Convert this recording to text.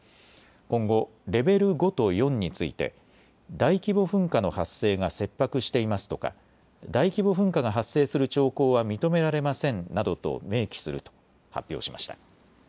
今後、レベル５と４について大規模噴火の発生が切迫していますとか大規模噴火が発生する兆候は認められませんなどと明記すると発表しました。